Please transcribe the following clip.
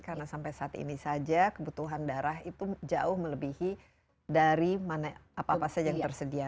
karena sampai saat ini saja kebutuhan darah itu jauh melebihi dari mana apa apa saja yang tersedia